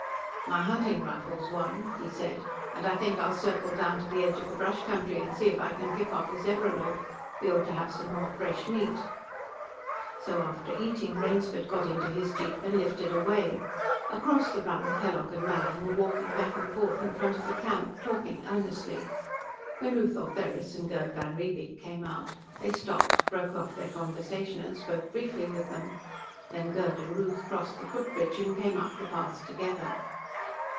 "My hunting rifle's one," he said, "and I think I'll circle down to the edge of the brush country and see if I can pick off a zebralope. We ought to have some more fresh meat." So, after eating, Rainsford got into his jeep and lifted away. Across the run, Kellogg and Mallin were walking back and forth in front of the camp, talking earnestly. When Ruth Ortheris and Gerd van Riebeek came out, they stopped, broke off their conversation and spoke briefly with them. Then Gerd and Ruth crossed the footbridge and came up the path together.